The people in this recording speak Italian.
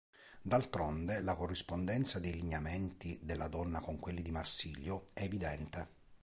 D`altronde, "la corrispondenza dei lineamenti della donna con quelli di Marsilio", è evidente.